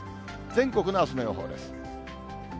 全国のあすの予報です。